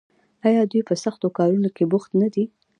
آیا دوی په سختو کارونو کې بوخت نه دي؟